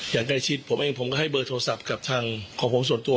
อย่างใกล้ชิดผมเองผมก็ให้เบอร์โทรศัพท์กับทางของผมส่วนตัว